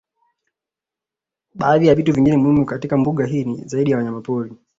Baadhi ya vitu vingine muhimu katika mbuga hii ni zaidi ya wanyamapori